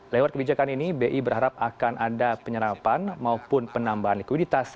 lewat kebijakan ini bi berharap akan ada penyerapan maupun penambahan likuiditas